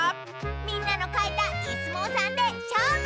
みんなのかいたイスもうさんでしょうぶ！